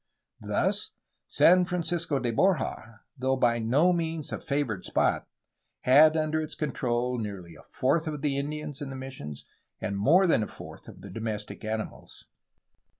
Thus, San Francisco de Borja, though by no means a favored spot, had under its control nearly a fourth of the Indians in the missions and more than a fourth of the domestic animals.